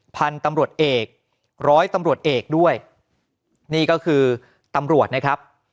พันธุ์ตำรวจเอกร้อยตำรวจเอกด้วยนี่ก็คือตำรวจนะครับ